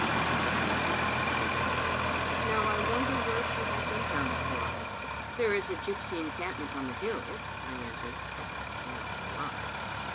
he said, casting a warning look at the earl. " Now I won der where she had been bound for." "There is a gypsy encampment on the hill," I an swered, though I cannot say why.